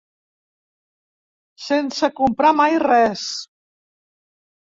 Sense comprar mai res.